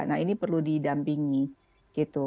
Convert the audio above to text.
nah ini perlu didampingi gitu